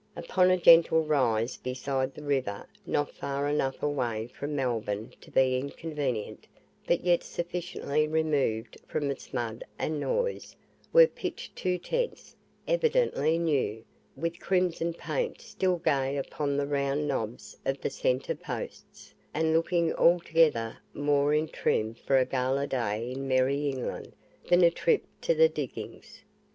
Upon a gentle rise beside the river, not far enough away from Melbourne to be inconvenient, but yet sufficiently removed from its mud and noise, were pitched two tents, evidently new, with crimson paint still gay upon the round nobs of the centre posts, and looking altogether more in trim for a gala day in Merry England than a trip to the diggings.